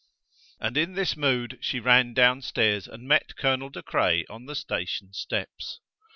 And in this mood she ran down stairs and met Colonel De Craye on the station steps.